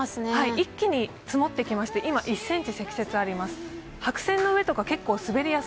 一気に降ってきまして今、１ｃｍ積雪があります。